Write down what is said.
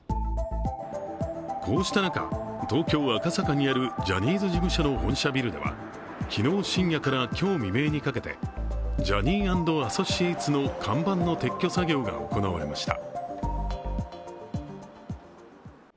こうした中、東京・赤坂にあるジャニーズ事務所の本社ビルでは昨日深夜から今日未明にかけてＪｏａｈｎｎｙ＆Ａｓｓｏｃｉａｔｅｓの看板の撤去作業が行われました。